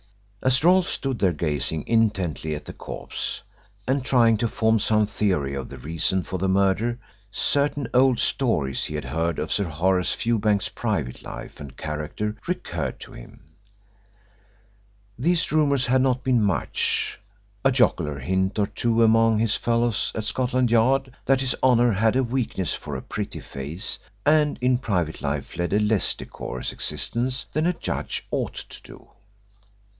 As Rolfe stood there gazing intently at the corpse, and trying to form some theory of the reason for the murder, certain old stories he had heard of Sir Horace Fewbanks's private life and character recurred to him. These rumours had not been much a jocular hint or two among his fellows at Scotland Yard that His Honour had a weakness for a pretty face and in private life led a less decorous existence than a judge ought to do.